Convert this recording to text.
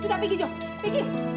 udah pergi jom pergi